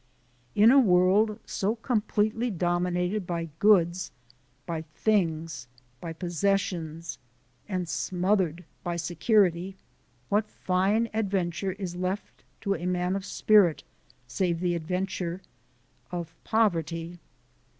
In a world so completely dominated by goods, by things, by possessions, and smothered by security, what fine adventure is left to a man of spirit save the adventure of poverty?